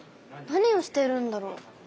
何をしているんだろう？